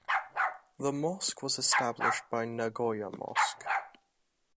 The mosque was established by Nagoya Mosque.